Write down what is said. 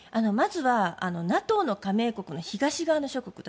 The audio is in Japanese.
まずはＮＡＴＯの加盟国の東側の諸国